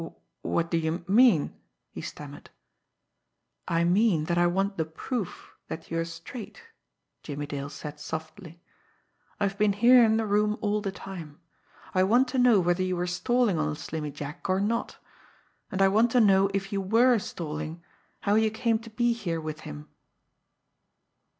"W what do you mean?" he stammered. "I mean that I want the proof that you are straight," Jimmie Dale said softly. "I've been here in the room all the time. I want to know whether you were stalling on Slimmy Jack, or not. And I want to know, if you were stalling, how you came to be here with him."